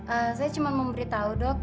eh saya cuma mau beritahu dok